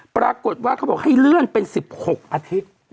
ปรากฏว่าเขาบอกให้เลื่อนเป็น๑๖อาทิตย์